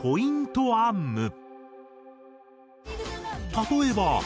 例えば。